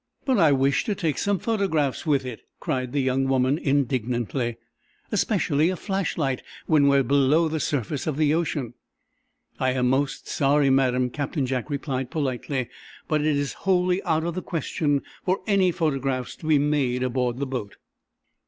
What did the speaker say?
"But I wish to take some photographs with it," cried the young woman, indignantly. "Especially, a flashlight when we are below the surface of the ocean." "I am most sorry, madam," Captain Jack replied, politely, "but it is wholly out of the question for any photographs to be made aboard the boat."